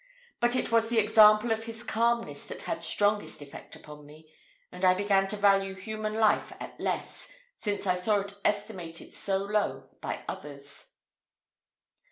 But it was the example of his calmness that had strongest effect upon me; and I began to value human life at less, since I saw it estimated so low by others.